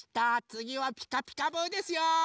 つぎは「ピカピカブ！」ですよ。